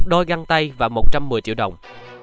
một đôi găng tay và một trăm một mươi triệu đồng